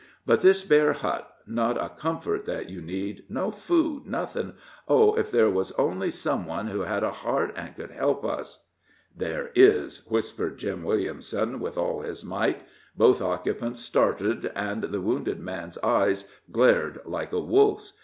But this bare hut not a comfort that you need no food nothing oh, if there was only some one who had a heart, and could help us!" "There is!" whispered Jim Williamson, with all his might. Both occupants started, and the wounded man's eyes glared like a wolf's.